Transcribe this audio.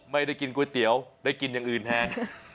ไม่ได้กินก๋วยเตี๋ยวได้กินอย่างอื่นแทน